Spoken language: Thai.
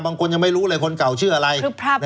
บางคนยังไม่รู้เลยคนเก่าชื่ออะไร